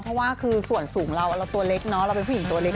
เพราะว่าคือส่วนสูงเราตัวเล็กเนอะเราเป็นผู้หญิงตัวเล็ก